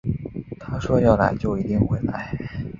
他说要来就一定会来